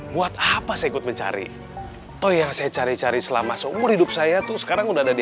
buat apa saya ikut mencari toh yang saya cari cari selama seumur hidup saya tuh sekarang udah ada di